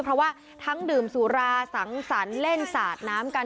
เพราะว่าทั้งดื่มสุราสังสรรค์เล่นสาดน้ำกัน